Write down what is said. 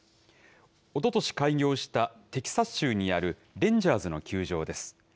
おととし開業したテキサス州にあるレンジャーズの球場です。